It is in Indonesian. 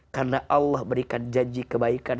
karena allah berikan janji kebaikan